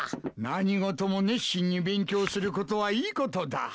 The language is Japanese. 何事も熱心に勉強することはいいことだ。